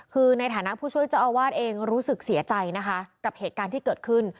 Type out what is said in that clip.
คือในฐานะผู้ช่วยเจ้าอาวาสเองรู้สึกเสียใจนะคะกับเหตุการณ์ที่เกิดขึ้น